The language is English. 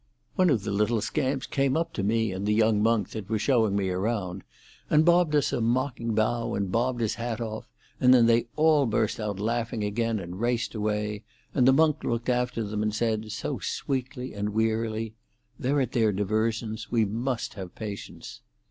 One of the little scamps came up to me, and the young monk that was showing me round, and bobbed us a mocking bow and bobbed his hat off; then they all burst out laughing again and raced away, and the monk looked after them and said, so sweetly and wearily, 'They're at their diversions: we must have patience.'